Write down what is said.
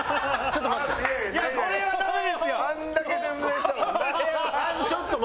ちょっと待って。